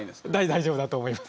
大丈夫だと思います。